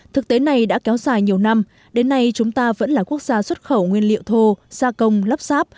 thực tế này đã kéo dài nhiều năm đến nay chúng ta vẫn là quốc gia xuất khẩu nguyên liệu thô sa công lắp sáp